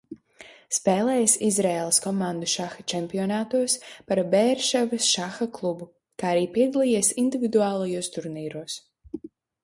Spēlējis Izraēlas komandu šaha čempionātos par Beerševas šaha klubu, kā arī piedalījies individuālajos turnīros.